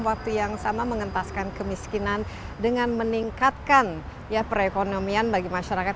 waktu yang sama mengentaskan kemiskinan dengan meningkatkan perekonomian bagi masyarakat